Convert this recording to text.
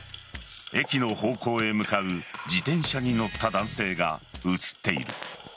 駅の方向へ向かう自転車に乗った男性が映っている。